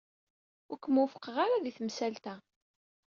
Ur kem-wufqeɣ ara di temsalt-a.